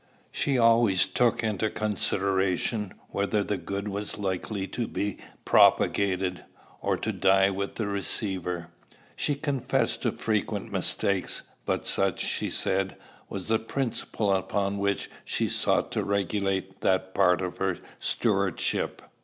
She always took into consideration whether the good was likely to be propagated, or to die with the receiver. She confessed to frequent mistakes; but such, she said, was the principle upon which she sought to regulate that part of her stewardship.